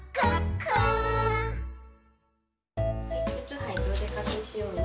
くつはいておでかけしようね。